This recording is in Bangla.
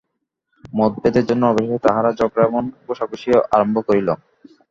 মতভেদের জন্য অবশেষে তাহারা ঝগড়া এবং ঘুষাঘুষি আরম্ভ করিল।